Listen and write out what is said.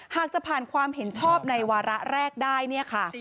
หากจะผ่านความเห็นชอบในวาระแรกได้เนี่ยค่ะ